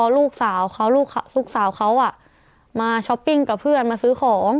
ลูกสาวเขาอ่ะมาช้อปปิ้งกับเพื่อนมาซื้อของ